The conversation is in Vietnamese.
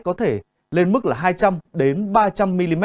có thể lên mức là hai trăm linh ba trăm linh mm